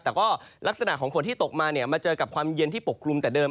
แต่ก็ลักษณะของฝนที่ตกมาเนี่ยมาเจอกับความเย็นที่ปกคลุมแต่เดิม